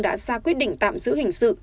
đã ra quyết định tạm giữ hình sự